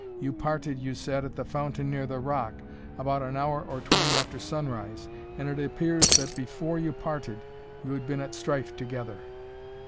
You parted, you said, at the fountain near the rock, about an hour or twain after sunrise, and it appears that before you parted you had been at strife together."